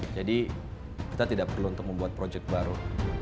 jadi kita tidak perlu untuk membuat proyek baru